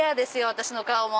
私の顔も。